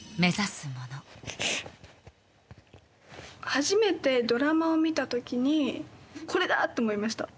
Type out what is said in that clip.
初めてドラマを見たときにこれだって思いました